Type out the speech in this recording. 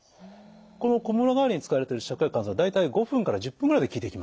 このこむら返りに使われている芍薬甘草湯大体５分から１０分ぐらいで効いてきます。